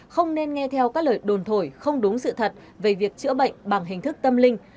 không nên nghe theo các lời đồn thổi không đúng sự thật về việc chữa bệnh bằng hình thức tâm linh